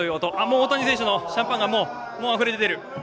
大谷選手のシャンパンがもうあふれ出ている。